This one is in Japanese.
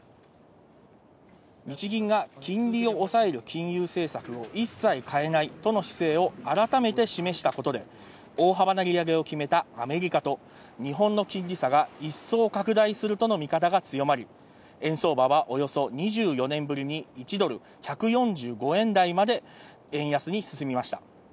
日銀が金利を抑える金融政策を一切変えないとの姿勢を改めて示したことで、大幅な利上げを決めたアメリカと、日本の金利差が一層拡大するとの見方が強まり、円相場はおよそ２４年ぶりに１ドル１４５円台まで円安に進みました。